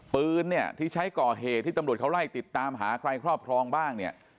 ปืนเนี่ยที่ใช้ก่อเหตุที่ตำรวจเขาไล่ติดตามหาใครครอบครองบ้างเนี่ย